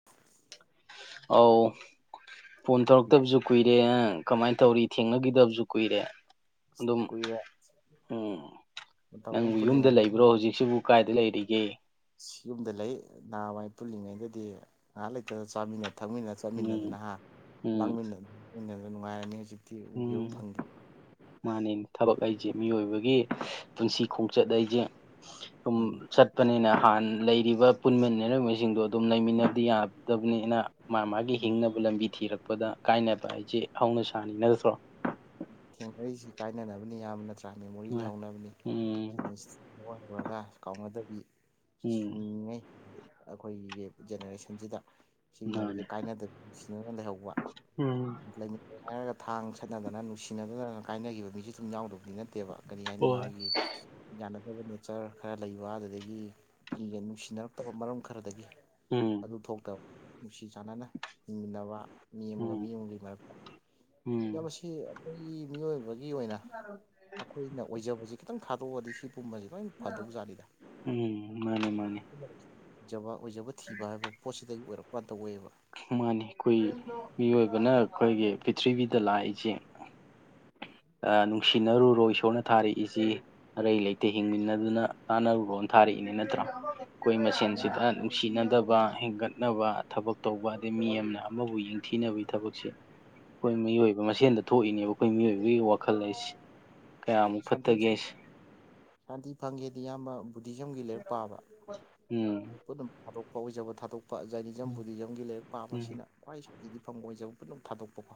[inaudible] ꯑꯧ ꯐꯣꯟ ꯏꯌꯥꯝꯕ ꯐꯤꯕꯝ ꯇꯧꯔꯛꯇꯕꯖꯨ ꯀꯨꯏꯔꯦ ꯀꯃꯥꯏ ꯇꯧꯔꯤ ꯊꯦꯡꯅꯈꯤꯗꯕꯖꯨ ꯀꯨꯏꯔꯦ ꯑꯗꯨꯝ ꯀꯨꯏꯔꯦ ꯎꯪ ꯃꯇꯝ ꯑꯃ ꯅꯪꯕꯨ ꯌꯨꯝꯗ ꯄꯨꯜꯂꯤꯉꯩꯗ ꯂꯩꯕ꯭ꯔꯣ ꯍꯧꯖꯤꯛ ꯁꯤꯕꯨ ꯀꯥꯏꯗ ꯂꯩꯔꯤꯒꯦ ꯌꯨꯝꯗ ꯂꯩ ꯅꯍꯥꯋꯥꯏ ꯄꯨꯜꯂꯤꯉꯩꯗꯗꯤ ꯉꯍꯥ ꯂꯩꯇꯅ ꯆꯥꯃꯤꯟꯅ ꯊꯛꯃꯤꯟꯅ ꯎꯝ ꯆꯠꯃꯤꯟꯅꯗꯅ ꯍꯥ ꯎꯝ ꯂꯥꯡꯃꯤꯟꯅ [unintelligible] ꯅꯨꯡꯉꯥꯏꯔꯝꯃꯤ ꯍꯧꯖꯤꯛ ꯎꯝ ꯃꯥꯅꯦ ꯊꯕꯛ ꯑꯩꯖꯦ ꯃꯤꯑꯣꯏꯕꯒꯤ ꯄꯨꯟꯁꯤ ꯈꯣꯡꯆꯠ ꯑꯩꯖꯦ ꯁꯨꯝ ꯃꯥꯅ ꯆꯠ ꯄꯅꯤꯅ ꯍꯥꯟ ꯂꯩꯔꯤꯕ ꯄꯨꯟꯃꯤꯟꯅꯔꯝꯕ ꯁꯤꯡꯗꯣ ꯑꯗꯨꯝ ꯂꯩꯃꯤꯟꯅꯕꯗꯤ ꯌꯥꯗꯕꯅꯤꯅ ꯃꯥ ꯃꯥꯒꯤ ꯍꯤꯡꯅꯕ ꯂꯝꯕꯤ ꯊꯤꯔꯛꯄꯗ ꯀꯥꯏꯅꯕ ꯍꯥꯏꯖꯦ ꯍꯧꯅ ꯁꯥꯅꯤ ꯅꯠꯇ꯭ꯔꯣ ꯊꯦꯡꯅꯔꯤꯖꯤ ꯀꯥꯏꯅꯅꯕꯅꯤ ꯏꯌꯥꯝꯕ ꯅꯠꯇ꯭ꯔꯥ ꯃꯦꯃꯣꯔꯤ ꯎꯝ ꯂꯩꯍꯧꯅꯕꯅꯤ ꯎꯝ ꯁꯤ [unintelligible] ꯀꯥꯎꯅꯗꯕꯤ ꯎꯝ ꯁꯤꯡꯉꯩ ꯑꯈꯣꯏꯒꯤꯒꯤ ꯖꯦꯅꯦꯔꯦꯁꯟꯁꯤꯗ ꯁꯤꯒꯤ ꯃꯔꯤꯖꯦ ꯃꯥꯅꯦ ꯀꯥꯏꯅꯗ ꯅꯨꯡꯁꯤꯅꯅ ꯂꯩꯍꯧꯕ ꯎꯝ ꯂꯩꯃꯤꯠ ꯍꯥꯏꯔꯒ ꯊꯥꯡ ꯁꯠꯅꯗꯅ ꯅꯨꯡꯁꯤ [unintelligible] ꯀꯥꯏꯅꯒꯤꯕ ꯃꯤꯖꯨ ꯁꯨꯝ ꯌꯥꯎꯗꯕꯗꯤ ꯅꯠꯇꯦꯕ ꯀꯔꯤ ꯍꯥꯏꯅꯤ ꯍꯣꯏ ꯃꯥꯒꯤ ꯌꯥꯅꯗꯕ ꯅꯦꯆꯔ ꯈꯔ ꯂꯩ ꯋꯥꯗꯨꯗꯒꯤꯒ ꯃꯤꯖꯦ ꯅꯨꯡꯁꯤꯅꯔꯛꯇꯕ ꯃꯔꯝ ꯈꯔꯗꯒꯤ ꯎꯝ ꯑꯗꯨ ꯊꯣꯛꯇꯕ ꯅꯨꯡꯁꯤ ꯆꯥꯟꯅꯅ ꯍꯤꯡꯃꯤꯟꯅꯕ ꯃꯤ ꯑꯃꯒ ꯎꯝ ꯃꯤ ꯑꯃꯒꯒꯤ ꯃꯔꯛꯇ ꯎꯝ ꯏꯌꯥꯝꯕ ꯁꯤ ꯑꯈꯣꯏꯒꯤ ꯃꯤꯑꯣꯏꯕ ꯒꯤ ꯑꯣꯏꯅ ꯑꯈꯣꯏꯅ ꯑꯣꯏꯖꯕꯖꯦ ꯈꯤꯇꯪ ꯊꯥꯗꯣꯛꯑꯗꯤ ꯁꯤ ꯀꯨꯝꯕꯁꯦ ꯂꯣꯏ ꯐꯗꯧ ꯖꯥꯠꯅꯤꯗ ꯎꯝ ꯃꯥꯅꯤ ꯃꯥꯅꯤ ꯖꯕ ꯑꯣꯏꯖꯕ ꯊꯤꯕ ꯍꯥꯏꯕ ꯄꯣꯠꯁꯤꯗꯒꯤ ꯑꯣꯏꯔꯛꯄꯥ ꯉꯥꯇ ꯑꯣꯏꯌꯦꯕ ꯃꯥꯅꯤ ꯈꯨꯏ ꯃꯤꯑꯣꯏꯕꯅ ꯑꯈꯣꯏꯒꯤ ꯄꯤꯊ꯭ꯔꯤꯕꯤꯗ ꯂꯥꯛꯏꯖꯦ ꯑ ꯅꯨꯡꯁꯤꯅꯔꯨꯔꯣ ꯏꯁꯣꯔꯅ ꯊꯥꯔꯛꯏꯖꯤ ꯑꯔꯩ ꯂꯩꯇ ꯍꯤꯡꯃꯤꯟꯅꯗꯨꯅ ꯇꯥꯅꯔꯨꯔꯣꯅ ꯊꯥꯔꯛꯏꯅꯤ ꯅꯠꯇ꯭ꯔꯥ ꯀꯣꯏ ꯃꯁꯦꯟ ꯁꯤꯗ ꯅꯨꯡꯁꯤꯅꯗꯕ ꯕ ꯍꯦꯟꯒꯠꯅꯕ ꯊꯕꯛ ꯇꯧꯕ ꯑꯗꯩ ꯃꯤ ꯑꯝꯅ ꯑꯃꯕꯨ ꯌꯦꯡꯊꯤꯅꯕꯩ ꯊꯕꯛꯁꯦ ꯈꯣꯏ ꯃꯤꯑꯣꯏꯕ ꯃꯁꯦꯟꯗ ꯊꯣꯛꯏꯅꯦꯕ ꯑꯈꯣꯏ ꯃꯤꯑꯣꯏꯕꯒꯤ ꯋꯥꯈꯜ ꯍꯥꯏꯁ ꯀꯌꯥꯃꯨꯛ ꯁꯥꯟꯇꯤ ꯐꯠꯇꯒꯦꯁꯦ ꯁꯥꯟꯇꯤ ꯐꯪꯒꯦꯗꯤ ꯏꯌꯥꯝꯕ ꯕꯨꯙꯤꯖꯝꯒꯤ ꯂꯥꯔꯤꯛ ꯄꯥꯕ ꯎꯝ ꯄꯨꯅꯝ ꯊꯥꯗꯣꯛꯄ ꯑꯣꯏꯖꯕ ꯊꯥꯗꯣꯛꯄ ꯖꯥꯏꯅꯤꯖꯝ ꯕꯨꯙꯤꯖꯝꯒꯤ ꯂꯥꯏꯔꯤꯛ ꯎꯝ ꯄꯥꯕꯁꯤꯅ ꯈ꯭ꯋꯥꯏ ꯁꯥꯟꯇꯤꯗꯤ ꯐꯪꯕ ꯑꯣꯏꯖꯕ ꯄꯨꯝꯅꯃꯛ ꯊꯥꯗꯣꯛꯄꯀꯣ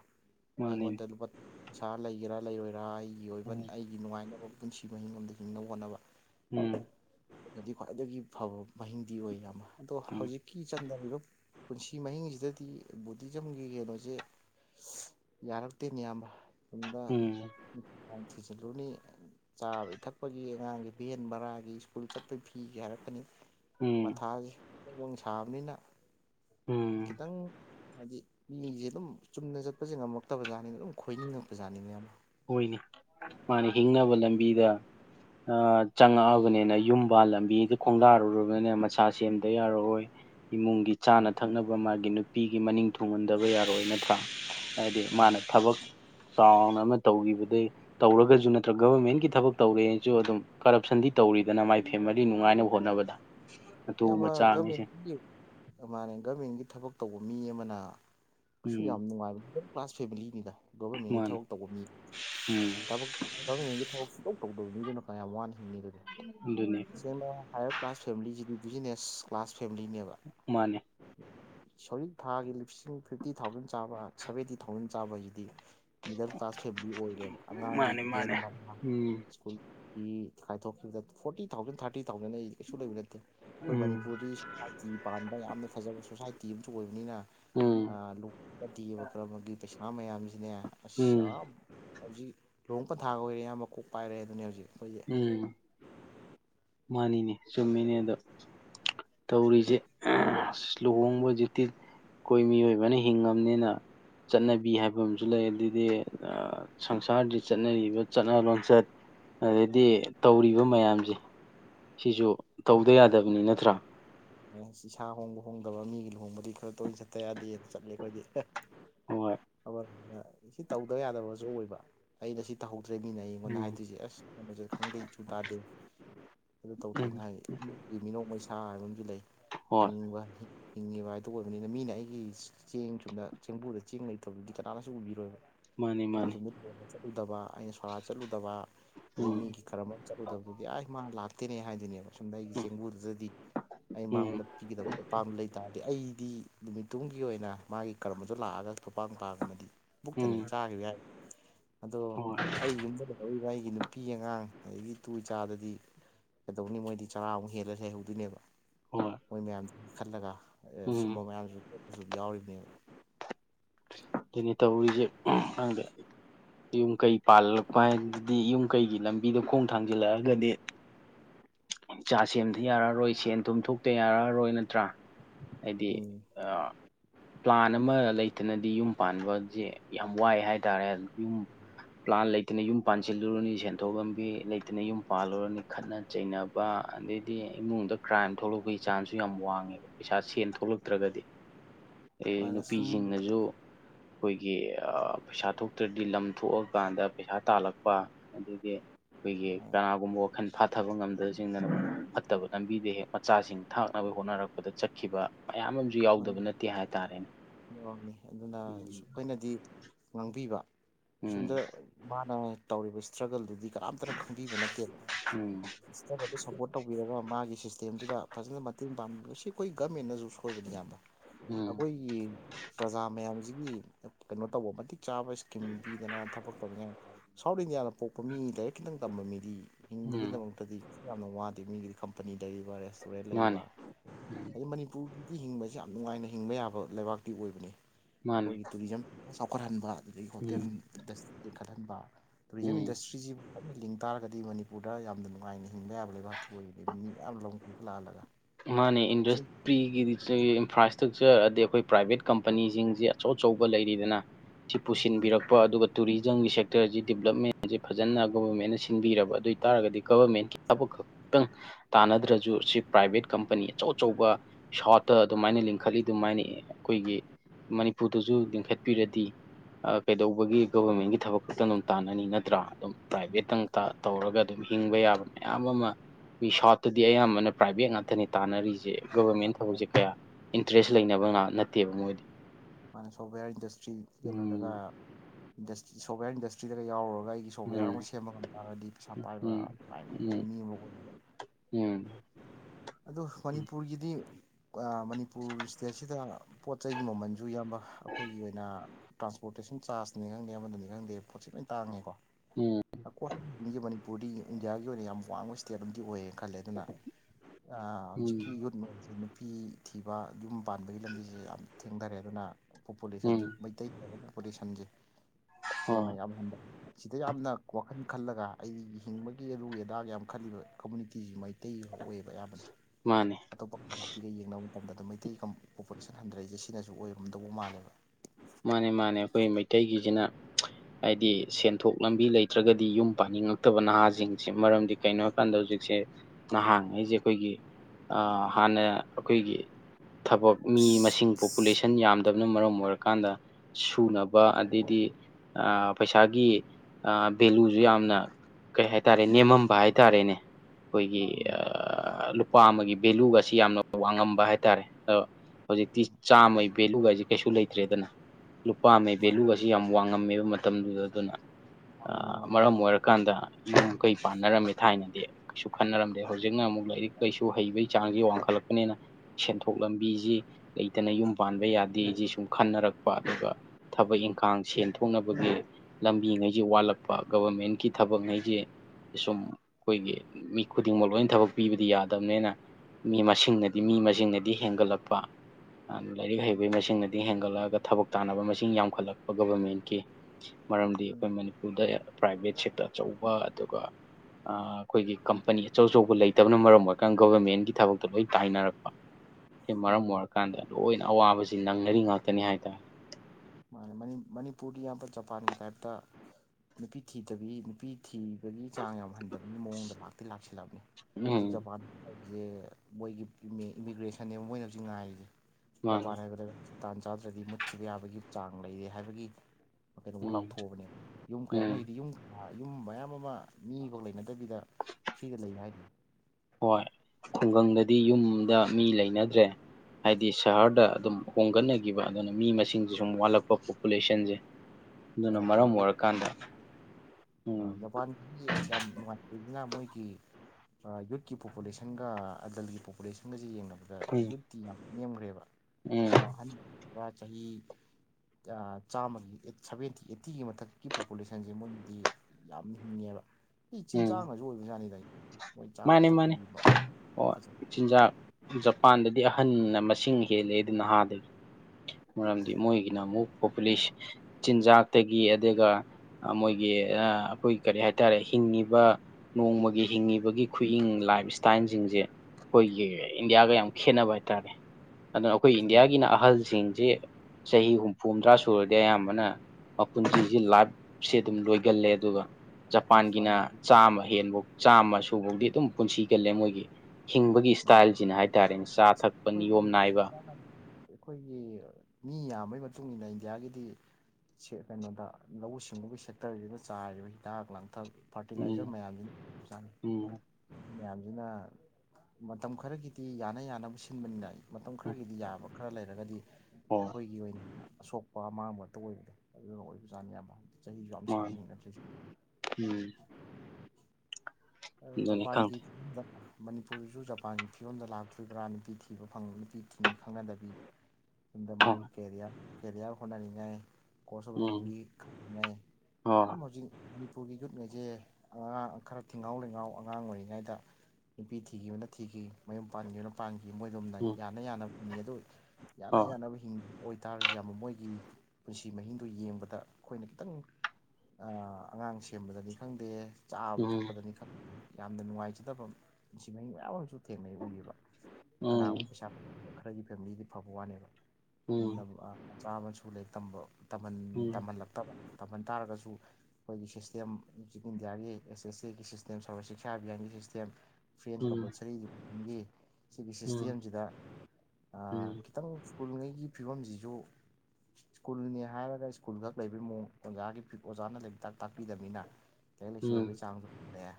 ꯃꯥꯅꯤꯅꯦ ꯑꯩꯉꯣꯟꯗ ꯂꯨꯄꯥ ꯄꯩꯁꯥ ꯂꯩꯒꯦꯔꯥ ꯂꯩꯔꯣꯏꯔꯥ ꯑꯩꯒꯤ ꯑꯣꯏꯕ ꯎꯝ ꯑꯩꯒꯤ ꯅꯨꯡꯉꯥꯏꯅꯕ ꯄꯨꯟꯁꯤ ꯃꯍꯤꯡ ꯑꯝꯗ ꯍꯤꯡꯅꯕ ꯍꯣꯠꯅꯕ ꯎꯝ ꯅꯗꯤ ꯈ꯭ꯋꯥꯏꯗꯒꯤ ꯐꯕ ꯃꯍꯤꯡꯗꯤ ꯑꯣꯏ ꯌꯥꯝꯕ ꯑꯗꯣ ꯍꯧꯖꯤꯛ ꯀꯤ ꯆꯠꯂꯖꯨ ꯄꯨꯟꯁꯤ ꯃꯍꯤꯡꯖꯤꯗꯗꯤ ꯕꯨꯙꯤꯖꯝꯒꯤ ꯀꯩꯅꯣꯖꯦ ꯌꯥꯔꯛꯇꯦ ꯃꯤꯌꯥꯝꯕ ꯇꯨꯡꯗ ꯎꯝ ꯊꯤꯖꯤꯜꯂꯨꯅꯤ ꯆꯥꯕꯩ ꯊꯛꯄꯒꯤ ꯑꯉꯥꯡꯒꯤ ꯚꯦꯟ ꯕꯔꯥꯒꯤ ꯁ꯭ꯀꯨꯜ ꯆꯠꯄꯒꯤ ꯐꯤꯒ ꯍꯥꯢꯔꯛꯀꯅꯤ ꯎꯝ ꯃꯊꯥꯖꯤ ꯌꯨꯝ ꯁꯥꯕꯅꯤꯅ ꯎꯝ ꯈꯤꯇꯪ ꯍꯥꯢꯗꯤ ꯃꯤꯖꯦ ꯑꯗꯨꯝ ꯆꯨꯝꯅ ꯆꯠꯄꯖꯦ ꯉꯝꯃꯛꯇꯕꯖꯥꯠꯅꯤꯅ ꯑꯗꯨꯝ ꯈꯣꯢꯅꯤꯡꯉꯛꯄ ꯖꯠꯅꯤ ꯃꯤꯌꯥꯝꯕ ꯍꯣꯢꯅꯦ ꯃꯥꯅꯦ ꯍꯤꯡꯅꯕ ꯂꯝꯕꯤꯗ ꯑ ꯆꯪꯉꯛꯑꯕꯅꯤꯅ ꯌꯨꯝꯕꯜꯂꯝꯕꯤꯗ ꯈꯣꯡꯗꯥꯔꯨꯔꯕꯅꯦ ꯃꯆꯥ ꯁꯦꯝꯗ ꯌꯥꯔꯛꯑꯣꯢ ꯏꯃꯨꯡꯒꯤ ꯆꯥꯅ ꯊꯛꯅꯕ ꯃꯥꯒꯤ ꯅꯨꯄꯤꯒꯤ ꯃꯅꯤꯡ ꯊꯨꯡꯍꯟꯗꯕ ꯌꯥꯔꯣꯢ ꯅꯠꯇ꯭ꯔꯥ ꯍꯥꯢꯗꯤ ꯎꯝ ꯃꯥꯅ ꯊꯕꯛ ꯆꯥꯎꯅ ꯑꯃ ꯇꯧꯒꯤꯕꯗꯩ ꯇꯧꯔꯒꯖꯨ ꯅꯠꯇ꯭ꯔꯒ ꯒꯕꯔꯃꯦꯟꯒꯤ ꯊꯕꯛ ꯇꯧꯔꯦꯅꯖꯨ ꯑꯗꯨꯝ ꯀꯔꯞꯁꯟꯗꯤ ꯇꯧꯔꯤꯗꯅ ꯃꯥꯢ ꯐꯦꯃꯤꯂꯤ ꯅꯨꯡꯉꯥꯢꯅꯕ ꯍꯣꯠꯅꯕꯗ ꯑꯗꯨ ꯏꯌꯥꯕ ꯃꯆꯥꯉꯩꯁꯦ ꯒꯔꯝꯦꯟꯒꯤ ꯃꯥꯅꯦ ꯒꯔꯃꯦꯟꯒꯤ ꯊꯕꯛ ꯇꯧꯕ ꯃꯤ ꯑꯃꯅ ꯀꯩꯁꯨ ꯎꯝ ꯌꯥꯝ ꯅꯨꯡꯉꯥꯢꯕ ꯀ꯭ꯂꯥꯁ ꯐꯦꯃꯤꯂꯤꯅꯤꯗ ꯒꯣꯕꯔꯃꯦꯟꯒꯤ ꯃꯥꯅꯦ ꯊꯕꯛ ꯇꯧꯕ ꯃꯤ ꯎꯝ ꯊꯕꯛ ꯒꯣꯕꯔꯃꯦꯟꯒꯤ ꯊꯕꯛ ꯁꯨꯡꯇꯧ ꯇꯧꯗꯕ ꯃꯤꯗꯨꯅ ꯀꯌꯥꯝ ꯋꯥꯅ ꯍꯤꯡꯉꯤꯗꯒꯦ ꯑꯗꯨꯅꯤ ꯁꯦꯝꯕ ꯍꯥꯢꯑꯛ ꯀ꯭ꯂꯥꯁ ꯐꯦꯃꯤꯂꯤꯖꯤꯗꯤ ꯕꯤꯖꯤꯅꯦꯁ ꯀ꯭ꯂꯥꯁ ꯐꯦꯃꯤꯂꯤꯅꯦꯕ ꯃꯥꯅꯦ [unintelligible] ꯁꯧꯔꯤꯛ ꯊꯥꯒꯤ ꯂꯤꯁꯤꯡ ꯐꯤꯐꯇꯤ ꯊꯥꯎꯖꯟ ꯆꯥꯕ ꯁꯚꯦꯟꯇꯤ ꯊꯥꯎꯖꯟ ꯆꯥꯕ ꯌꯨꯗꯤ ꯃꯤꯗꯜ ꯀ꯭ꯂꯥꯁ ꯐꯦꯝꯂꯤ ꯑꯣꯢꯒꯦꯕ ꯑꯉꯥꯡꯒꯤ ꯃꯥꯅꯦ ꯒꯦꯟ ꯃꯥꯅꯦ ꯃꯥꯛ ꯃꯥꯛ ꯎꯝ ꯁ꯭ꯀꯨꯜꯒꯤ ꯀꯥꯏꯊꯣꯛꯈꯤꯕꯗ ꯐꯣꯔꯇꯤ ꯊꯥꯎꯖꯟ ꯊꯥꯔꯇꯤ ꯊꯥꯎꯖꯟ ꯑꯩꯗꯤ ꯀꯩꯁꯨ ꯂꯩꯕ ꯅꯠꯇꯦ ꯎꯝ ꯑꯩꯈꯣꯏꯕꯅꯤꯄꯨꯔ ꯒꯤꯁꯨꯁꯥꯏꯇꯤ ꯄꯥꯟꯕ ꯌꯥꯝꯅ ꯐꯖꯕ ꯁꯣꯁꯥꯢꯇꯤ ꯑꯃꯁꯨ ꯑꯣꯢꯕꯅꯤꯅ ꯎꯝ ꯑ ꯂꯨꯇ ꯗꯦꯕ ꯀꯔꯃꯒꯤ ꯄꯩꯁꯥ ꯃꯌꯥꯝꯖꯤꯅꯦ ꯑꯁ ꯎꯝ ꯌꯥꯝ ꯍꯧꯖꯤꯛ ꯂꯨꯍꯣꯡ ꯄꯟꯊꯥ ꯑꯣꯢꯔꯦ ꯏꯌꯥꯝꯕ ꯀꯣꯛ ꯄꯥꯢꯔꯦꯗꯨꯅꯤ ꯍꯧꯖꯤꯛ ꯈꯣꯢꯒꯤ ꯎꯝ ꯃꯥꯅꯤꯅꯦ ꯑꯩꯈꯣꯏꯁꯦ ꯆꯨꯝꯃꯤꯅꯦ ꯑꯗꯣ ꯍꯧꯖꯤꯛꯁꯦ ꯂꯨꯍꯣꯡꯕ ꯍꯧꯖꯤꯛꯇꯤ ꯈꯣꯢ ꯃꯤꯑꯣꯢꯕꯅ ꯍꯤꯡꯉꯝꯅꯤꯅ ꯆꯠꯅꯕꯤ ꯍꯥꯢꯕ ꯑꯃꯖꯨ ꯂꯩ ꯑꯗꯨꯢꯗꯤ ꯁꯪꯁꯥꯔꯗꯤ ꯆꯠꯅꯔꯤꯕ ꯆꯠꯅ ꯂꯣꯟꯆꯠ ꯑꯗꯩꯗꯤ ꯇꯧꯔꯤꯕ ꯃꯌꯥꯝꯖꯦ ꯁꯤꯖꯨ ꯇꯧꯗ ꯌꯥꯗꯕꯅꯤ ꯅꯠꯇ꯭ꯔꯥ ꯑꯣꯁ ꯏꯁꯥ ꯍꯣꯡꯕ ꯍꯣꯡꯗꯕ ꯃꯤꯒꯤ ꯂꯨꯍꯣꯡꯕꯗꯤ ꯈꯔ ꯇꯣꯢꯅ ꯆꯠꯇ ꯌꯥꯗꯦꯅ ꯆꯠꯂꯦ ꯈꯣꯢꯗꯤ ꯍꯣꯏ ꯊꯕꯛ ꯅ ꯁꯤ ꯇꯧꯗ ꯌꯥꯗꯕꯁꯨ ꯑꯣꯢꯕ ꯑꯩꯅ ꯁꯤ ꯇꯧꯍꯧꯗ꯭ꯔꯗꯤꯅꯩ ꯑꯩꯉꯣꯟꯗ ꯎꯝ ꯍꯥꯢꯗꯨꯢꯖꯦ ꯑꯁ ꯈꯪꯗꯦ ꯆꯨ ꯇꯥꯗꯦ ꯑꯗꯨ ꯎꯝ ꯇꯧꯗꯦꯅ ꯍꯥꯢ ꯃꯤ ꯒꯤ ꯃꯤꯅꯣꯛ ꯃꯩꯁꯥ ꯍꯥꯢꯕ ꯑꯃꯖꯨ ꯂꯩ ꯍꯣꯏ ꯍꯤꯡꯅꯤꯡꯕ ꯍꯤꯡꯉꯦꯕ ꯍꯥꯢꯗꯣ ꯑꯣꯢꯕꯅꯤꯅ ꯃꯤꯅ ꯑꯩꯒꯤ ꯆꯦꯡ ꯁꯨꯝꯗ ꯆꯦꯡꯕꯨꯗ ꯆꯦꯡ ꯂꯩꯇꯕꯗꯨꯗꯤ ꯀꯅꯥꯅꯁꯨ ꯎꯕꯤꯔꯣꯢꯕ ꯃꯥꯅꯤ ꯑꯩꯅ ꯃꯥꯅꯤ ꯁꯨꯝ ꯆꯠꯂꯨꯗꯕ ꯑꯩꯅ ꯁꯣꯔꯥꯠ ꯆꯠꯂꯨꯗꯕ ꯑꯗꯩ ꯎꯝ ꯃꯤꯒꯤ ꯀꯔ ꯑꯃ ꯆꯠꯂꯨꯗꯕꯗꯨꯗꯤ ꯑꯩ ꯃꯥ ꯂꯥꯛꯇꯦꯅꯦ ꯍꯥꯢꯗꯨꯢꯅꯦꯕ ꯁꯣꯝꯗ ꯑꯩꯒꯤ ꯎꯝ ꯆꯦꯡꯒꯗꯨꯖꯗꯤ ꯑꯩ ꯃꯉꯣꯟꯗ ꯎꯝ ꯄꯤꯒꯗꯞ ꯑꯄꯥꯝ ꯂꯩ ꯇꯥꯔꯗꯤ ꯑꯩꯗꯤ ꯅꯨꯃꯤꯠꯇꯨꯒꯤ ꯑꯣꯢꯅ ꯃꯥꯒꯤ ꯀꯔꯝꯃꯗꯨ ꯂꯥꯛꯑꯒ ꯊꯝꯄꯥꯛ ꯈꯨꯟꯄꯥꯛ ꯄꯨꯛꯊꯟꯅ ꯎꯝ ꯆꯥꯒꯤꯕ ꯌꯥꯢ ꯑꯗꯨ ꯍꯣꯏ ꯑꯩꯌꯨꯝꯗ ꯂꯩ ꯂꯩꯍꯧꯔꯤꯕ ꯑꯩꯒꯤ ꯅꯨꯄꯤ ꯑꯉꯥꯡ ꯑꯗꯒꯤ ꯏꯇꯨ ꯏꯆꯥꯗꯗꯤ ꯀꯩꯗꯧꯅꯤ ꯃꯣꯏꯗꯤ ꯆꯔꯥꯃꯨꯛ ꯍꯦꯜꯂ ꯂꯩꯍꯧꯗꯣꯢꯅꯦꯕ ꯍꯣꯢ ꯃꯣꯢ ꯃꯌꯥꯝꯖꯤ ꯈꯟꯗꯒ ꯑꯦ ꯁꯨꯝꯕ ꯃꯌꯥꯝꯗꯨ ꯌꯥꯎꯔꯤꯕꯅꯦꯕ ꯑꯗꯨꯅꯤ ꯇꯧꯔꯤꯖꯦ ꯎꯝ ꯈꯪꯗ ꯌꯨꯝ ꯀꯩ ꯄꯥꯜꯂꯛꯄ ꯍꯥꯢꯗꯤ ꯌꯨꯝ ꯀꯩꯒꯤ ꯂꯝꯕꯤꯗ ꯈꯣꯡ ꯊꯥꯡꯖꯤꯜꯂꯛꯑꯝꯗꯗꯤ ꯏꯆꯥ ꯁꯦꯝꯗ ꯌꯥꯔꯛꯑꯔꯣꯢ ꯁꯦꯟ ꯊꯨꯝ ꯊꯣꯛꯇ ꯌꯥꯔꯛꯑꯔꯣꯢ ꯅꯠꯇ꯭ꯔꯥ ꯍꯥꯏꯗꯤ ꯎꯝ ꯑ ꯄ꯭ꯂꯥꯟ ꯑꯃ ꯂꯩ ꯏꯊꯟꯅꯗꯤ ꯌꯨꯝ ꯄꯥꯟꯕ ꯖꯦ ꯌꯥꯝ ꯋꯥꯏ ꯍꯥꯏꯇꯥꯔꯦ ꯌꯨꯝ ꯄ꯭ꯂꯥꯟ ꯂꯩꯇꯅ ꯌꯨꯝ ꯄꯥꯟꯁꯤꯜꯂꯨꯔꯅꯤ ꯁꯦꯟꯊꯣꯛ ꯂꯝꯕꯤ ꯂꯩꯇꯅ ꯌꯨꯝ ꯄꯥꯜꯂꯨꯔꯅꯤ ꯈꯠꯅ ꯆꯩꯅꯕ ꯑꯗꯩꯗꯤ ꯏꯃꯨꯡꯗ ꯀ꯭ꯔꯥꯏꯝ ꯊꯣꯛꯂꯛꯄꯒꯤ ꯆꯥꯟꯁꯁꯨ ꯌꯥꯝ ꯋꯥꯡꯉꯦꯕ꯫ ꯄꯩꯁꯥ ꯁꯦꯟ ꯊꯣꯛꯂꯛꯇ꯭ꯔꯒꯗꯤ, ꯑꯩ ꯃꯥꯅ ꯁꯨꯝ ꯅꯨꯄꯤꯁꯤ ꯖꯨ ꯈꯣꯏꯒꯤ ꯑ ꯄꯩꯁꯥ ꯊꯣꯛꯇ꯭ꯔꯗꯤ ꯂꯝ ꯊꯣꯛꯑꯀꯥꯟꯗ ꯄꯩꯁꯥ ꯇꯥꯜꯂꯛꯄ ꯑꯗ‌ꯩꯗꯤ ꯈꯣꯏꯒꯤ ꯀꯅꯥꯒꯨꯝꯕ ꯋꯥꯈꯜ ꯐꯥꯊꯕ ꯉꯝꯗꯕꯁꯤꯡꯅ ꯐꯠꯇꯕ ꯂꯝꯕꯤꯗ ꯍꯦꯛ ꯃꯆꯥꯁꯤꯡ ꯊꯥꯛꯅꯕ ꯍꯣꯠꯅꯔꯛꯄꯗ ꯆꯠꯈꯤꯕ ꯃꯌꯥꯝ ꯑꯃꯁꯨ ꯃꯥꯅꯤ ꯌꯥꯎꯗꯕ ꯅꯠꯇꯦ ꯍꯥꯏꯇꯥꯔꯦꯅꯦ꯫ [inaudible] ꯑꯗꯨꯅ ꯁꯨ ꯎꯝ ꯈꯣꯏꯅꯗꯤ ꯉꯥꯡꯕꯤꯕ ꯁꯨꯝꯗ ꯎꯝ ꯃꯥꯅ ꯇꯧꯔꯤꯕ ꯁ꯭ꯇ꯭ꯔꯒꯜꯗꯨꯗꯤ ꯀꯅꯥꯝꯇꯅ ꯈꯪꯕꯤꯕ ꯅꯠꯇꯦꯕ꯫ ꯎꯝ [unintelligible] ꯁꯞꯄꯣꯔꯠ ꯇꯧꯕꯤꯔꯒ ꯃꯥꯒꯤ ꯁꯤꯁꯇꯦꯝꯗꯨꯗ ꯐꯖꯅ ꯃꯇꯦꯡ ꯄꯥꯡꯕꯤꯕ ꯁꯤ ꯈꯣꯏꯒꯤ ꯒꯃꯦꯟꯅꯁꯨ ꯁꯣꯏꯕꯅꯤ ꯌꯥꯝ ꯎꯝ ꯑꯈꯣꯏꯒꯤ ꯄ꯭ꯔꯥꯖꯥ ꯃꯌꯥꯝꯁꯤꯒꯤ ꯀꯩꯅꯣ ꯇꯧꯕ ꯃꯇꯤꯛ ꯆꯥꯕ ꯁ꯭ꯀꯤꯝ ꯄꯤꯗꯅ ꯊꯕꯛ ꯇꯧꯅꯤꯉꯥꯏ ꯁꯥꯎꯠ ꯏꯟꯗꯤꯌꯥꯗ ꯄꯣꯛꯄ ꯃꯤ ꯂꯥꯏꯔꯤꯛ ꯈꯤꯇꯪ ꯇꯝꯕ ꯃꯤꯗꯤ ꯎꯝ ꯍꯤꯡꯕꯒꯤꯗꯃꯛ ꯇꯗꯤ [inaudible] ꯌꯥꯝꯅ ꯋꯥꯗꯦ ꯃꯤꯒꯤꯗꯤ ꯀꯝꯄꯅꯤ ꯂꯩꯔꯤꯕ ꯔꯦꯁꯇꯨꯔꯦꯟ ꯂꯩꯔꯤꯕ ꯃꯥꯅꯦ ꯎꯝ ꯑꯗꯩ ꯃꯅꯤ ꯄꯨꯔꯒꯤꯗꯤ ꯍꯤꯡꯕꯁꯦ ꯌꯥꯝ ꯅꯨꯡꯉꯥꯏꯅ ꯍꯤꯡꯕ ꯌꯥꯕ ꯂꯩꯕꯥꯛꯇꯤ ꯑꯣꯏꯕꯅꯤ ꯃꯥꯅꯦ ꯈꯣꯏꯒꯤ ꯇꯨꯔꯤꯖꯝ ꯆꯥꯎꯈꯠꯍꯟꯕ ꯑꯗꯨꯗꯒꯤ ꯍꯣꯇꯦꯜ ꯎꯝ ꯗꯦꯁ ꯂꯤꯡꯈꯠꯍꯟꯕ ꯇꯨꯔꯤꯖꯝ ꯎꯝ ꯏꯟꯗꯁꯇ꯭ꯔꯤꯁꯤ ꯑꯗꯨ ꯂꯤꯡ ꯇꯥꯔꯒꯗꯤ ꯃꯅꯤꯄꯨꯔꯗ ꯌꯥꯝꯅ ꯅꯨꯡꯉꯥꯏꯅ ꯍꯤꯡꯕ ꯌꯥꯕ ꯂꯩꯕꯥꯛꯇꯤ ꯑꯣꯏꯔꯤꯅꯦ ꯃꯤ ꯃꯌꯥꯝ ꯂꯝꯀꫭꯏꯕ ꯂꯥꯛꯍꯜꯂꯒ꯫ ꯃꯥꯅꯦ ꯏꯟꯗꯁꯇ꯭ꯔꯤꯒꯤꯗꯤ ꯁꯤ ꯏꯟꯐ꯭ꯔꯥꯁ꯭ꯇ꯭ꯔꯛꯆꯔ ꯑꯗꯩ ꯑꯈꯣꯏ ꯄ꯭ꯔꯥꯏꯕꯦꯠ ꯀꯝꯄꯅꯤꯁꯤꯡꯁꯤ ꯑꯆꯧ ꯑꯆꯧꯕ ꯂꯩꯔꯤꯗꯅ꯫ ꯁꯤ ꯎꯝ ꯄꯨꯁꯤꯟꯕꯤꯔꯛꯄ ꯑꯗꯨꯒ ꯇꯨꯔꯤꯖꯝꯒꯤ ꯁꯦꯛ ꯇꯔꯁꯤ ꯗꯤꯕꯂꯞꯃꯦꯟꯁꯦ ꯐꯖꯅ ꯒꯣꯕꯔꯃꯦꯟꯅ ꯁꯤꯟꯕꯤꯔꯕ ꯑꯗꯨ ꯑꯣꯏꯇꯥꯥꯔꯒꯗꯤ ꯒꯕꯔꯃꯦꯟꯒꯤ ꯊꯕꯛ ꯈꯛꯇꯪ ꯇꯥꯟꯅꯗ꯭ꯔꯁꯨꯨ ꯁꯤ ꯄ꯭ꯔꯥꯏꯚꯦꯠ ꯀꯝꯄꯅꯤ ꯑꯆꯧ ꯑꯆꯧꯕ ꯁꯥꯎꯠꯇ ꯑꯗꯨꯃꯥꯏꯅ ꯂꯤꯡꯈꯠꯂꯤ ꯑꯗꯨꯃꯥꯏꯅ ꯈꯣꯏꯒꯤ ꯃꯅꯤꯄꯨꯔꯗꯁꯨ ꯂꯤꯡꯈꯠꯄꯤꯔꯗꯤ ꯑ ꯀꯩꯗꯧꯕꯒꯤ ꯒꯕꯔꯃꯦꯟꯒꯤ ꯊꯕꯛ ꯇꯪ ꯗꯨꯝ ꯇꯥꯟꯅꯅꯤ ꯅꯠꯇ꯭ꯔꯥ ꯑꯗꯨꯝ ꯄ꯭ꯔꯥꯏꯚꯦꯠꯇꯪ ꯇꯥ ꯇꯧꯔꯒ ꯑꯗꯨꯝ ꯍꯤꯡꯕ ꯌꯥꯕ ꯃꯌꯥꯝ ꯑꯃ ꯃꯤ ꯁꯥꯎꯇꯗꯤ ꯑꯌꯥꯝꯕꯅ ꯄ꯭ꯔꯥꯏꯚꯦꯠ ꯉꯥꯛ ꯇꯅꯤ ꯇꯥꯟꯅꯔꯤꯁꯦ ꯒꯕꯔꯃꯦꯟ ꯊꯕꯛꯁꯦ ꯀꯌꯥ ꯏꯟꯇꯔꯦꯁ ꯂꯩꯅꯕ ꯉꯥꯛ ꯅꯠꯇꯦꯕ ꯃꯣꯏꯗꯤ꯫ ꯃꯥꯅ‌ꯦ ꯁꯣꯞꯋꯦꯌꯔ ꯏꯟꯗꯁꯇ꯭ꯔꯤ ꯀꯩꯅꯣꯗꯒ ꯎꯝ ꯏꯟꯗꯁꯇ꯭ꯔꯤ ꯁꯣꯞꯋꯦꯌꯔ ꯏꯟꯗꯁꯇ꯭ꯔꯤꯗꯒ ꯌꯥꯎꯔꯨꯔꯒ ꯑꯩꯒꯤ ꯁꯣꯞꯋꯦꯌꯥꯔ ꯎꯝ ꯑꯃꯒ ꯁꯦꯝꯕ ꯉꯝ ꯇꯥꯔꯒꯗꯤ ꯄꯩꯁꯥ ꯄꯥꯏꯕ ꯎꯝ ꯂꯥꯏ ꯎꯝ ꯃꯤ ꯑꯃ ꯑꯣꯏ ꯎꯝ [inaudible] ꯑꯗꯨ ꯃꯅꯤꯄꯨꯔꯒꯤꯗꯤ ꯑꯥ ꯃꯅꯤꯄꯨꯔ ꯁ꯭ꯇꯦꯠꯁꯤꯗ ꯄꯣꯠ ꯆꯩꯒꯤ ꯃꯃꯜꯁꯨ ꯏꯌꯥꯝꯕ ꯑꯈꯣꯏꯒꯤ ꯑꯣꯏꯅ ꯑ ꯇ꯭ꯔꯥꯟꯁꯄꯣꯔꯇꯦꯁꯟ ꯆꯥꯔꯖꯇꯅꯤ ꯈꯪꯗꯦ ꯑꯃꯗꯅꯤ ꯈꯪꯗꯦ ꯄꯣꯠꯁꯦ ꯂꯣꯏ ꯇꯥꯡꯉꯦꯀꯣ꯫ ꯎꯝ ꯑꯀꯣ [inaudible] ꯃꯅꯤꯄꯨꯔꯗꯤ ꯏꯟꯗꯤꯌꯥꯒꯤ ꯑꯣꯏꯅ ꯌꯥꯝ ꯋꯥꯡꯕ ꯁ꯭ꯇꯦꯠ ꯑꯃꯗꯤ ꯑꯣꯏꯌꯦꯅ ꯈꯜꯂꯦ ꯑꯗꯨꯅ ꯑꯥ ꯎꯝ ꯍꯧꯖꯤꯛꯀꯤ ꯌꯨꯠ ꯅꯨꯄꯤ ꯊꯤꯕ ꯌꯨꯝ ꯄꯥꯟꯕꯒꯤ ꯂꯝꯕꯤꯁꯦ ꯌꯥꯝ ꯊꯦꯡꯗꯔꯦ ꯑꯗꯨꯅ ꯎꯝ ꯄꯣꯄꯨꯂꯦꯁꯟꯁꯨ ꯃꯩꯇꯩ ꯄꯣꯄꯨꯂꯦꯁꯟꯁꯦ ꯁꯦꯡꯅ ꯍꯣꯏ ꯌꯥꯝ ꯍꯟꯗ ꯁꯤꯗ ꯌꯥꯝꯅ ꯋꯥꯈꯜ ꯈꯜꯂꯒ ꯑꯩ ꯍꯤꯡꯕꯒꯤ ꯑꯗꯨꯒꯤ ꯑꯗꯥꯒ ꯌꯥꯝ ꯈꯜꯂꯤꯕ ꯀꯝꯃꯨꯅꯤꯇꯤ ꯃꯩ ꯇꯩ ꯑꯧꯌ‌ꯦꯕ ꯑꯌꯥꯝꯕꯅ꯫ ꯃꯥꯅꯦ ꯑꯇꯣꯞꯄ ꯇꯤꯒ ꯌꯦꯡꯅꯕ ꯃꯇꯝꯗ ꯃꯩꯇꯩ ꯀꯝ ꯄꯣꯄꯨꯂꯦꯁꯟ ꯍꯟꯗꯔꯛꯏꯁꯦ ꯁꯤꯅꯁꯨ ꯑꯣꯏꯔꯝꯗꯧꯕ ꯃꯥꯜꯂꯦꯕ ꯃꯥꯅꯦ ꯃꯥꯅꯦ ꯈꯣꯏ ꯃꯩꯇꯩꯒꯤꯖꯤꯅ ꯍꯥꯏꯗꯤ ꯁꯦꯟ ꯊꯣꯛ ꯂꯝꯕꯤ ꯂꯩꯇ꯭ꯔꯒꯗꯤ ꯌꯨꯝ ꯄꯥꯅꯤꯡꯉꯛꯇꯕ ꯅꯍꯥꯁꯤꯡꯁꯦ ꯃꯔꯝꯗꯤ ꯀꯩꯅꯣ ꯍꯥꯏꯀꯥꯟꯗ ꯍꯧꯖꯤꯛꯁꯦ ꯅꯍꯥꯡ ꯒꯩꯁ‌ꯦ ꯈꯣꯏꯒꯤ ꯑꯥ ꯍꯥꯟꯅ ꯑꯈꯣꯏꯒꯤ ꯊꯕꯛ ꯃꯤ ꯃꯁꯤꯡ ꯄꯣꯄꯨꯂꯦꯁꯟ ꯌꯥꯝꯗꯕꯅ ꯃꯔꯝ ꯑꯣꯏꯔ ꯀꯥꯟꯗ ꯁꯨꯅꯕ ꯑꯗꯩꯗꯤ ꯑꯥ ꯄꯩꯁꯥꯒꯤ ꯑꯥ ꯚꯦꯂꯨꯖꯨ ꯌꯥꯝꯅ ꯀꯩ ꯍꯥꯏꯇꯥꯔꯦ ꯅꯦꯝꯃꯝꯕ ꯍꯥꯏꯇꯥꯔꯦꯅꯦ ꯑꯈꯣꯏꯒꯤ ꯎꯝ ꯑꯥ ꯂꯨꯄꯥ ꯑꯃꯥꯒꯤ ꯚꯦꯂꯨꯒꯁꯤ ꯌꯥꯝꯅ ꯋꯥꯡꯉꯝꯕ ꯍꯥꯏꯇꯥꯔꯦ ꯑꯗꯣ ꯍꯧꯖꯤꯛꯇꯤ ꯆꯥꯝꯃꯩ ꯚꯦꯂꯨꯒꯥꯢꯁꯦ ꯀꯩꯁꯨ ꯂꯩ ꯇ꯭ꯔꯦꯗꯅ ꯂꯨꯄꯥ ꯑꯃꯩ ꯚꯦꯂꯨ ꯃꯥꯅꯦ ꯒꯁꯤ ꯌꯥꯝ ꯋꯥꯡꯉꯝꯃꯦꯕ ꯃꯇꯝꯗꯨꯗ ꯑꯗꯨꯅ ꯋꯥ ꯉꯝꯃꯦ ꯑꯥ ꯋꯥ ꯉꯝꯃꯦ ꯃꯔꯝ ꯑꯣꯏꯔꯀꯥꯟꯗ ꯌꯨꯝ ꯀꯩ ꯄꯥꯟꯅꯔꯝꯃꯦ ꯊꯥꯏꯅꯗꯤ ꯀꯩꯁꯨ ꯈꯟꯅꯔꯝꯗꯦ ꯍꯧꯖꯤꯛꯅ ꯑꯃꯨꯛ ꯂꯥꯏꯔꯤꯛ ꯂꯥꯏꯁꯨ ꯍꯩꯕꯒꯤ ꯆꯥꯡꯖꯤ ꯋꯥꯡꯈꯠꯂꯛꯄꯅꯦꯅ ꯁꯦꯟꯊꯣꯛ ꯂꯝꯕꯤꯖꯤ ꯂꯩꯇꯅ ꯌꯨꯝ ꯄꯥꯟꯕ ꯌꯥꯗꯦ ꯖꯤ ꯁꯨꯝ ꯈꯟꯅꯔꯛꯄ ꯑꯗꯨꯒ ꯊꯕꯛ ꯏꯪꯈꯥꯡ ꯁꯦꯟ ꯊꯣꯛꯅꯕꯒꯤ ꯂꯝꯕꯤꯉꯩꯖꯤ ꯋꯥꯠꯂꯛꯄ ꯒꯕꯔꯃꯦꯟꯀꯤ ꯊꯕꯛꯉꯩꯖꯦ ꯁꯨꯝ ꯑꯈꯣꯏꯒꯤ ꯃꯤ ꯈꯨꯗꯤꯡꯃꯛ ꯂꯣꯏꯟ ꯊꯕꯛ ꯄꯤꯕꯗꯤ ꯌꯥꯗꯕꯅꯦꯅ ꯃꯤ ꯃꯁꯤꯡꯅꯗꯤ ꯃꯤ ꯃꯁꯤꯡꯅꯗꯤ ꯍꯦꯟꯒꯠꯂꯛꯄ ꯂꯥꯏꯔꯤꯛ ꯎꯝ ꯍꯩꯕꯩ ꯃꯁꯤꯡꯅꯗꯤ ꯍꯦꯟꯒꯠꯂꯛꯑꯒ ꯊꯕꯛ ꯇꯥꯟꯅꯕ ꯃꯁꯤꯡ ꯌꯥꯝꯈꯠꯂꯛꯄ ꯒꯚꯔꯃꯦꯟꯀꯤ ꯃꯔꯝꯗꯤ ꯎꯝ ꯑꯈꯣꯏ ꯃꯅꯤꯄꯨꯔꯗ [unintelligible] ꯄ꯭ꯔꯥꯏꯚꯦꯠ ꯁꯦꯛꯇꯔ ꯑꯆꯧꯕ ꯑꯗꯨꯒ ꯑꯥ ꯑꯥꯈꯣꯏꯒꯤ ꯀꯝꯄꯅꯤ ꯑꯆꯧ ꯑꯆꯧꯕ ꯂꯩꯇꯕꯅꯥ ꯃꯔꯝ ꯑꯣꯏꯔꯀꯥꯟ ꯒꯣꯚꯔꯃꯦꯟꯒꯤ ꯊꯕꯛꯇ ꯂꯣꯏ ꯇꯥꯏꯅꯔꯛꯄ ꯁꯤꯅ ꯃꯔꯝ ꯃꯥꯅꯦ ꯑꯣꯏꯔꯀꯥꯟꯗ ꯂꯣꯏꯅ ꯑꯋꯥꯕꯁꯤ ꯅꯪꯅꯔꯤ ꯉꯥꯛꯇꯅꯤ ꯍꯥꯏꯇꯥꯔꯦ ꯃꯥꯅꯤ ꯃꯅꯤꯄꯨꯔꯒꯤ ꯌꯥꯝꯕ ꯖꯄꯥꯟꯒꯤ ꯇꯥꯏꯞꯇ ꯅꯨꯄꯤ ꯊꯤꯗꯕꯤ ꯅꯨꯄꯤ ꯊꯤꯕꯒꯤ ꯆꯥꯡ ꯌꯥꯝ ꯍꯟꯗꯕꯒꯤ ꯃꯑꯣꯡꯗ ꯂꯥꯛꯇꯤ ꯂꯥꯛꯁꯤꯜꯂꯕꯅꯤ ꯍꯧꯖꯤꯛ ꯎꯝ ꯖꯄꯥꯟ ꯍꯥꯢꯗꯤ ꯃꯣꯏꯒꯤ ꯏꯃꯤꯒ꯭ꯔꯦꯁꯟꯅꯦꯕ ꯃꯣꯏꯅ ꯍꯧꯖꯤꯛ ꯉꯥꯏꯔꯤꯖꯦ ꯃꯥꯅꯦ ꯖꯥꯄꯥꯟ ꯍꯥꯏꯕꯗ ꯇꯥꯟ ꯆꯥꯗ꯭ꯔꯗꯤ ꯃꯨꯠꯈꯤꯕ ꯌꯥꯕꯒꯤ ꯆꯥꯡ ꯂꯩꯔꯦ ꯍꯥꯏꯕꯒꯤ ꯀꯩꯅꯣ ꯕꯥꯎ ꯎꯝ ꯂꯥꯎꯊꯣꯛꯑꯕꯅꯦ ꯌꯨꯝ ꯀꯌꯥ ꯎꯝ ꯃꯣꯏꯒꯤꯗꯤ ꯌꯨꯝ ꯌꯨꯝ ꯃꯌꯥꯝ ꯑꯃꯥ ꯃꯤꯕꯥꯎ ꯂꯩꯅꯗꯕꯤꯗ ꯐ꯭ꯔꯤꯗ ꯂꯩ ꯍꯥꯏꯗꯣ ꯍꯣꯏ ꯈꯨꯡꯒꯪꯗꯗꯤ ꯌꯨꯝꯗ ꯃꯤ ꯂꯩꯅꯗ꯭ꯔꯦ ꯍꯥꯏꯗꯤ ꯁꯍꯔꯗ ꯑꯗꯨꯝ ꯍꯣꯡꯒꯠꯅꯒꯤꯕ ꯑꯗꯨꯅ ꯃꯤ ꯃꯁꯤꯡꯖꯦ ꯁꯨꯝ ꯋꯥꯠꯂꯛꯄ ꯄꯣꯄꯨꯂꯦꯁꯟꯖꯦ ꯑꯗꯒꯤ ꯑꯥ ꯎꯝ ꯖꯄꯥꯟ ꯌꯥꯝ ꯅꯨꯡꯉꯥꯏꯇ꯭ꯔꯤꯖꯤꯅ ꯃꯣꯏꯒꯤ ꯌꯨꯠꯀꯤ ꯄꯣꯄꯨꯂꯦꯁꯟꯒ ꯑꯥꯗꯜꯒꯤ ꯄꯣꯄꯨꯂꯦꯁꯟꯒꯁꯦ ꯌꯦꯡꯅꯕꯗ ꯑꯗ ꯎꯝ ꯌꯨꯠꯇꯤ ꯌꯥꯝ ꯅꯦꯝꯒ꯭ꯔꯦꯕ ꯎꯝ ꯑꯥ ꯍꯟ ꯆꯍꯤ ꯑꯥꯆꯥꯝꯃꯒꯤ ꯑꯦꯠ ꯁꯚꯦꯟꯇꯤ ꯑꯦꯠꯇꯤꯒꯤ ꯃꯊꯛꯀꯤ ꯄꯣꯄꯨꯂꯦꯁꯟꯖꯦ ꯃꯣꯏꯅꯗꯤ ꯌꯥꯝ ꯅꯦꯝꯃꯤꯅꯦꯕ ꯁꯤ ꯎꯝ ꯆꯤꯟꯖꯥꯛꯅꯖꯨ ꯑꯣꯏꯕ ꯖꯥꯠꯅꯤꯗ ꯑꯩ ꯃꯣꯏ ꯆꯥꯕ ꯃꯥꯅꯦ ꯃꯥꯅꯦ ꯊꯛꯄꯒꯤ ꯃꯑꯣꯡ ꯍꯣꯏ ꯐꯖꯩ ꯆꯤꯟꯖꯥꯛ ꯖꯄꯥꯟꯗꯗꯤ ꯑꯍꯟꯅ ꯃꯁꯤꯡ ꯍꯦꯜꯂꯦ ꯑꯗꯨ ꯅꯍꯥꯗꯒꯤ ꯃꯔꯝꯗꯤ ꯎꯝ ꯃꯣꯏꯒꯤꯅ ꯑꯃꯨꯛ ꯄꯣꯄꯨꯂꯦꯁꯟ ꯆꯤꯟꯖꯥꯛꯇꯒꯤ ꯑꯗꯨꯒ ꯑꯥ ꯃꯣꯏꯒꯤ ꯑꯥ ꯑꯥꯈꯣꯏ ꯀꯔꯤ ꯍꯥꯏꯇꯥꯔꯦ ꯍꯤꯡꯉꯤꯕ ꯅꯣꯡꯃꯒꯤ ꯍꯤꯡꯉꯤꯕꯒꯤ ꯈꯨꯍꯤꯡ ꯂꯥꯏꯞ ꯏꯁꯇꯥꯏꯟ ꯖꯤꯡꯖꯦ ꯑꯥꯈꯣꯏꯒꯤ ꯏꯟꯗꯤꯌꯥꯒ ꯌꯥꯝ ꯈꯦꯠꯅꯕ ꯍꯥꯏꯇꯥꯔꯦ ꯑꯗꯨꯅ ꯑꯥꯈꯣꯏ ꯏꯟꯗꯤꯌꯥꯒꯤꯅ ꯑꯍꯜꯁꯤꯡꯖꯦ ꯆꯍꯤ ꯍꯨꯝꯐꯨ ꯍꯨꯝꯗ꯭ꯔꯥ ꯁꯨꯔꯗꯤ ꯑꯌꯥꯝꯕꯅ ꯃꯄꯨꯟꯁꯤꯖꯦ ꯂꯥꯏꯕ ꯁꯦ ꯑꯗꯨꯝ ꯂꯣꯏꯒꯜꯂꯦ ꯑꯗꯨꯒ ꯖꯄꯥꯟꯒꯤꯅ ꯑꯩꯈꯣꯏꯒꯤ ꯆꯥꯝꯃ ꯍꯦꯟꯕꯧ ꯆꯥꯝꯃ ꯁꯨꯕꯧꯗꯤ ꯑꯗꯨꯝ ꯄꯨꯟꯁꯤ ꯒꯜꯂꯦ ꯃꯣꯏꯒꯤ ꯍꯤꯡꯕꯒꯤ ꯏꯁꯇꯥꯏꯖꯤꯅ ꯍꯥꯏꯇꯥꯔꯦꯅꯦ ꯆꯥ ꯊꯛꯄ ꯅꯤꯌꯣꯝ ꯅꯥꯏꯕ ꯑꯈꯣꯏꯒꯤ ꯃꯤ ꯌꯥꯝꯕꯩ ꯃꯇꯨꯡ ꯏꯟꯅ ꯏꯟꯗꯤꯌꯥꯒꯤꯗꯤ ꯁꯦꯛꯇꯔ ꯀꯩꯅꯣꯗ ꯂꯧꯎ ꯁꯤꯡꯎꯕꯒꯤ ꯁꯦꯛꯇꯔꯖꯤꯗ ꯆꯥꯢꯔꯤꯕ ꯍꯤꯗꯥꯛ ꯂꯥꯡꯊꯛ ꯎꯝ ꯐꯔꯥꯠꯇꯤꯂꯥꯏꯖꯔ ꯃꯌꯥꯝꯖꯤꯅ [unintelligible] ꯎꯝ ꯖꯥꯠꯅꯤ ꯃꯌꯥꯝꯖꯤꯅ ꯃꯇꯝ ꯈꯔꯥꯒꯤꯗꯤ ꯌꯥꯅ ꯌꯥꯅꯕ ꯁꯤꯟꯕꯅꯤꯅ ꯃꯇꯝ ꯎꯝ ꯈꯔꯥꯒꯤꯗꯤ ꯌꯥꯕ ꯈ꯭ꯔꯥ ꯂꯩꯔꯒꯗꯤ ꯍꯣꯏ ꯑꯥꯈꯣꯏꯒꯤ ꯑꯣꯏꯅ ꯑꯁꯣꯛꯄ ꯑꯃꯥꯡꯕ ꯉꯥꯛꯇ ꯑꯣꯏꯕ ꯑꯗꯨꯅ ꯑꯣꯏꯕ ꯖꯥꯠꯅꯤ ꯑꯌꯥꯝꯕ ꯆꯍꯤꯖꯨ ꯌꯥꯝ ꯃꯥꯅꯤ ꯁꯥꯡꯉꯤ ꯁꯤꯖꯦ ꯎꯝ ꯑꯗꯨꯅꯤ ꯖꯄꯥꯟꯒꯤ ꯈꯪꯗꯦ ꯃꯅꯤꯄꯨꯔꯗꯖꯨ ꯖꯄꯥꯟꯒꯤ ꯐꯤꯚꯝꯗ ꯂꯥꯛꯇ꯭ꯔꯤꯕ꯭ꯔꯥ ꯅꯨꯄꯤ ꯊꯤꯕ ꯐꯪ ꯅꯨꯄꯤ ꯊꯤꯅꯤ ꯈꯪꯅꯗꯕꯤ ꯇꯨꯡꯗ ꯃꯥꯏ ꯍꯣꯏ ꯀꯦꯔꯤꯌꯥꯔ ꯀꯦꯔꯤꯌꯥꯔ ꯍ‌ꯣꯠꯅꯔꯤꯉꯩ ꯎꯝ ꯈꯪꯅꯩ ꯍꯣꯏ [unintelligible] ꯎꯔꯤꯕ ꯉꯩꯖꯦ [unintelligible] ꯈꯔ ꯊꯤꯡꯉꯥꯎ ꯂꯩꯉꯥꯎ ꯑꯉꯥꯡ ꯑꯣꯏꯔꯤꯉꯩꯗ ꯅꯨꯄꯤ ꯊꯤꯈꯤꯕꯅ ꯊꯤꯈꯤ ꯃꯌꯨꯝ ꯄꯥꯟꯈꯤꯕꯅ ꯄꯥꯟꯈꯤ ꯃꯣꯏꯗꯣ ꯑꯗꯨꯝ ꯂꯩ ꯎꯝ ꯌꯥꯅ ꯌꯥꯅꯕ ꯍꯤꯡꯉꯤ ꯑꯗꯨ ꯌꯥꯅ ꯍꯣꯏ ꯌꯥꯅꯕ ꯍꯤꯡꯉꯤ ꯑꯣꯏ ꯇꯥꯥꯔꯁꯨ ꯌꯥꯝꯕ ꯃꯣꯏꯒꯤ ꯄꯨꯟꯁꯤ ꯃꯍꯤꯡꯗꯨ ꯌꯦꯡꯕꯗ ꯑꯩꯈꯣꯏꯅ ꯈꯤꯇꯪ ꯑ ꯑꯉꯥꯡ ꯁꯦꯝꯕꯗꯅꯤ ꯈꯪꯗꯦ ꯆꯥꯕ ꯎꯝ ꯊꯛꯄꯗꯅꯤ ꯈꯪꯗ‌ꯦ ꯌꯥꯝꯅ ꯅꯨꯡꯉꯥꯏꯖꯗꯕ ꯄꯨꯟꯁꯤ ꯃꯍꯤꯡ ꯃꯌꯥꯝ ꯑꯃꯁꯨ ꯊꯦꯡꯅꯩ ꯌꯦꯕ ꯎꯝ ꯀꯅꯥꯒꯨꯝꯕ ꯄꯩꯁꯥ ꯈꯔꯒꯤ ꯐꯦꯃꯤꯂꯤꯗꯤ ꯐꯕ ꯋꯥꯅꯦꯕ ꯎꯝ ꯗꯨꯨꯅꯕꯨ ꯑ ꯃꯆꯥ ꯃꯁꯨ ꯂꯥꯏꯔꯤꯛ ꯇꯝꯕ ꯇꯝꯍꯜ ꯎꯝ ꯇꯝꯍꯜꯂꯛꯇꯕ ꯇꯝꯍꯟ ꯇꯥꯔꯒꯁꯨ ꯑꯩꯈꯣꯏꯒꯤ ꯁꯤꯁꯇꯦꯝ ꯍꯧꯖꯤꯛ ꯏꯟꯗꯤꯌꯥꯒꯤ ꯑꯦꯁ ꯑꯦꯁ ꯑꯦꯒꯤ ꯁꯤꯁꯇꯦꯝ ꯁꯔꯚ ꯁꯤꯛꯁꯥ ꯑꯔꯕꯤꯌꯥꯟꯒꯤ ꯁꯤꯁꯇꯦꯝ ꯐ꯭ꯔꯤ ꯑꯦꯟ ꯎꯝ ꯀꯝꯄꯜꯁꯔꯤꯒꯤ ꯁꯤꯒꯤ ꯎꯝ ꯁꯤꯁꯇꯦꯝꯁꯤꯗ ꯑ ꯎꯝ ꯈꯤꯇꯪ ꯁꯀꯨꯜꯉꯩꯒꯤ ꯐꯤꯚꯝꯁꯤꯁꯨ [inaudible] ꯁ꯭ꯀꯨꯜꯅꯤ ꯍꯥꯏꯔꯒ ꯁ꯭ꯀꯨꯜꯈꯛ ꯂꯩꯕꯒꯤ ꯃꯑꯣꯡ ꯑꯣꯖꯥꯒꯤ ꯐꯤ ꯑꯣꯖꯥꯅ ꯂꯥꯏꯔꯤꯛ ꯏꯇꯥꯛ ꯇꯥꯛꯄꯤꯗꯕꯅꯤꯅ ꯂꯥꯏꯔꯤꯛ ꯂꯥꯏꯁꯨ ꯍꯕꯩꯒꯤ ꯆꯥꯡ ꯅ‌ꯦꯝꯃ‌ꯦ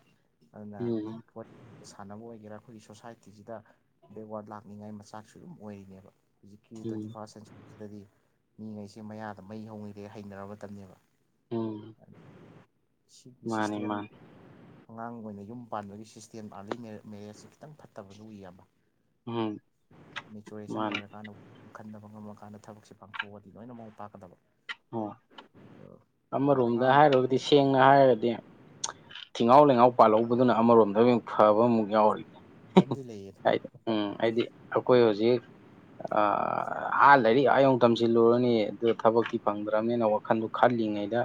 ꯑꯗꯨꯅ ꯎꯝ ꯎꯝ ꯍ‌ꯣꯏ ꯁꯥꯟꯅꯕ ꯑꯣꯏꯒꯦꯔꯥ ꯑꯩꯈꯣꯏꯒꯤ ꯁꯣꯁꯥꯏꯇꯤꯁꯤꯗ ꯕꯦꯛꯋꯥꯔꯗ ꯂꯥꯛꯅꯤꯡꯉꯥꯏ ꯃꯆꯥꯛꯁꯨ ꯑꯣꯏꯔꯤꯅꯦꯕ ꯍꯧꯖꯤꯛꯀꯤ ꯇ꯭ꯋꯦꯟꯇꯤ ꯎꯝ ꯐꯥꯔꯁ ꯁꯦꯟꯆꯨꯔꯤꯁꯤꯗꯗꯤ ꯃꯤꯉꯩꯁꯦ ꯃꯌꯥꯗ ꯃꯩ ꯍꯧꯔꯤꯉꯩ ꯂꯥꯏꯔꯤꯛ ꯍꯩꯅꯔꯕ ꯃꯇꯝꯅꯦꯕ ꯎꯝ ꯁꯤꯒꯤ ꯃꯥꯅꯤ ꯁꯤꯁꯇꯦꯝ ꯃꯥꯅꯤ ꯑꯉꯥꯡ ꯑꯣꯏꯅ ꯌꯨꯝ ꯄꯥꯟꯕꯒꯤ ꯁꯤꯁꯇꯦꯝ ꯑꯥꯔꯂꯤ ꯃꯦꯔꯦꯖꯁꯦ ꯈꯤꯇꯪ ꯐꯠꯇꯕꯁꯨ ꯎꯏ ꯏꯌꯥꯝꯕ ꯎꯝ ꯃꯦꯖ‌ꯣꯔꯦꯁꯟ ꯃꯥꯅꯤ ꯑꯣꯢꯔꯦ ꯍꯥꯟꯅ ꯈꯟꯗꯕ ꯉꯝꯃꯀꯥꯟꯗ ꯊꯕꯛꯁꯦ ꯄꯥꯡꯊꯣꯛꯑꯗꯤ ꯂꯣꯏꯅꯃꯛ ꯃꯥꯏ ꯄꯥꯛꯀꯗꯕ ꯑ ꯑꯃꯔꯣꯝꯗ ꯑꯉꯥꯡ ꯍꯥꯏꯔꯣꯒꯗꯤ ꯁꯦꯡꯅ ꯍꯥꯏꯔꯒꯗꯤ ꯊꯤꯉꯥꯎ ꯂꯩꯉꯥꯎ ꯄꯥꯜꯍꯧꯕꯗꯨꯅ ꯑꯃꯔꯣꯝꯗꯃꯨꯛ ꯐꯕ ꯑꯃꯨꯛ ꯃꯌꯥꯝ ꯌꯥꯎꯔꯤ ꯂꯩꯌꯦ ꯍꯥꯏꯗꯤ ꯎꯝ ꯑꯩꯗꯤ ꯑꯈꯣꯏ ꯍꯧꯖꯤꯛ ꯑ ꯑꯥ ꯂꯥꯏꯔꯤꯛ ꯑꯥꯌꯧꯅ ꯇꯝꯁꯤꯜꯂꯨꯔꯅꯤ ꯑꯗꯨ ꯊꯕꯛꯇꯤ ꯐꯪꯗ꯭ꯔꯕꯅꯤꯅ ꯋꯥꯈꯟꯗꯣ ꯈꯜꯂꯤꯉꯩꯗ